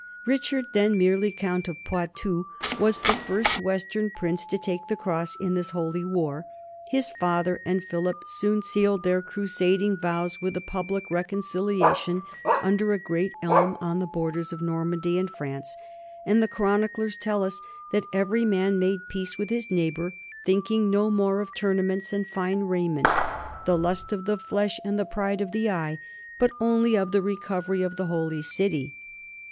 Rich ard, then merely count of Poitou, was the first western prince to take the cross in this holy war; his father and Philip soon sealed their crusading vows with a public reconciliation under a great elm on the borders of Nor mandy and France, and the chroniclers tell us that every man made peace with his neighbor, thinking no more of tournaments and fine raiment, the lust of the flesh and the pride of the eye, but only of the recovery of the Holy City.